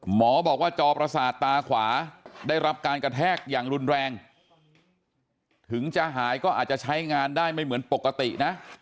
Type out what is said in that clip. หมอบอกว่าจอประสาทตาขวาได้รับการกระแทกอย่างรุนแรงถึงจะหายก็อาจจะใช้งานได้ไม่เหมือนปกตินะ